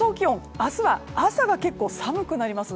明日は、朝が結構寒くなります。